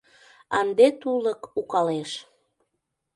Ынде тулык укалеш.